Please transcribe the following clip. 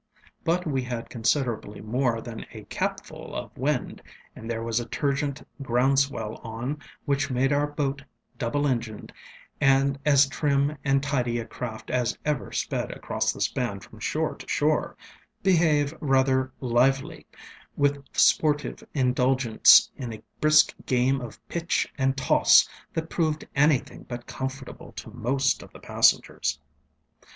But we had considerably more than a capful of wind, and there was a turgent ground swell on, which made our boatŌĆödouble engined, and as trim and tidy a craft as ever sped across the span from shore to shoreŌĆöbehave rather lively, with sportive indulgence in a brisk game of pitch and toss that proved anything but comfortable to most of the passengers.